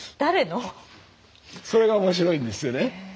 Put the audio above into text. それが面白いんですよね。